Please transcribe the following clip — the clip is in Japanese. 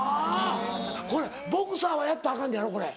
これボクサーはやったらアカンのやろ？